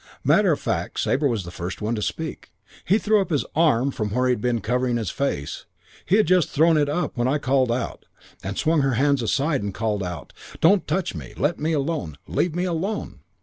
"Matter of fact Sabre was the first one to speak. He threw up his arm from where he'd been covering his face, just as he'd thrown it up when I called out, and swung her hands aside and called out, 'Don't touch me. Let me alone. Leave me alone.'